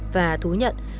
và thú nhận